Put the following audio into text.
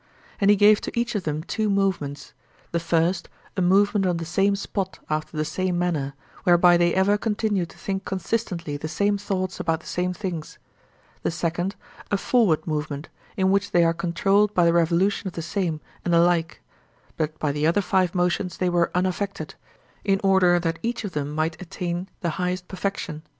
And he gave to each of them two movements: the first, a movement on the same spot after the same manner, whereby they ever continue to think consistently the same thoughts about the same things; the second, a forward movement, in which they are controlled by the revolution of the same and the like; but by the other five motions they were unaffected, in order that each of them might attain the highest perfection.